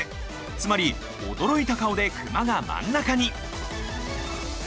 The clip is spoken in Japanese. つまり驚いた顔でクマが真ん中に！